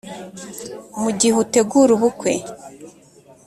mu gihe utegura ubukwe